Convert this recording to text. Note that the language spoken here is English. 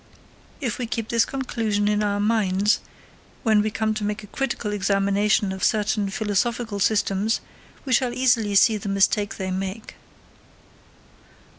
If we keep this conclusion in our minds, when we come to make a critical examination of certain philosophical systems, we shall easily see the mistake they make.